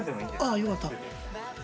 よかった。